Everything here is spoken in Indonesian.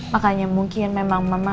makanya mungkin memang mama